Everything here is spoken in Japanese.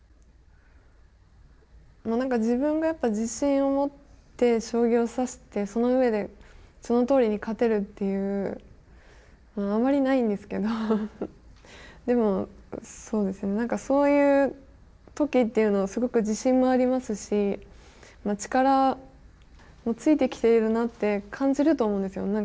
何か自分がやっぱ自信を持って将棋を指してその上でそのとおりに勝てるっていうあんまりないんですけどでも何かそういう時っていうのはすごく自信もありますし力もついてきているなって感じると思うんですよ。